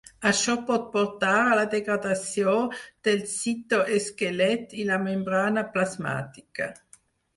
Això pot portar a la degradació del citoesquelet i la membrana plasmàtica.